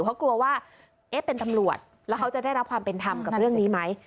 เพราะกลัวว่าเอ๊ะเป็นตำรวจแล้วเขาจะได้รับความเป็นธรรมกับเรื่องนี้ไหม